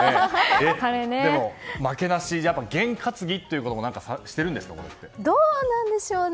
でも負けなしで験担ぎということもどうなんでしょうね。